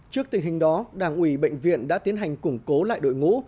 trước tình hình đó đảng ủy bệnh viện đã tiến hành củng cố lại đội ngũ